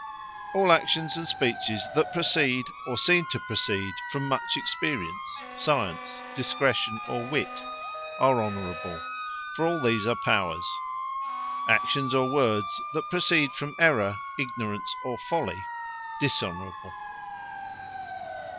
All Actions, and Speeches, that proceed, or seem to proceed from much Experience, Science, Discretion, or Wit, are Honourable; For all these are Powers. Actions, or Words that proceed from Errour, Ignorance, or Folly, Dishonourable.